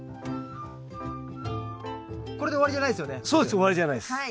これで終わりじゃないですよね？